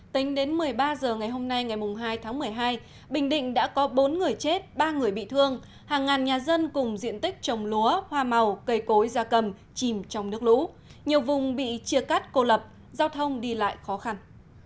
tính đến một mươi ba h ngày hôm nay ngày hai tháng một mươi hai bình định đã có bốn người chết ba người bị thương hàng ngàn nhà dân cùng diện tích trồng lúa hoa màu cây cối da cầm chìm trong nước lũ nhiều vùng bị chia cắt cô lập giao thông đi lại khó khăn